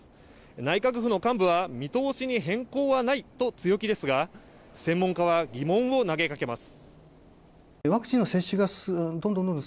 内閣府の幹部は見通しに変更はないと強気ですが専門家は疑問を投げかけます。